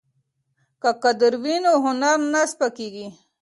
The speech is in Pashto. که قدر وي نو هنر نه سپکیږي.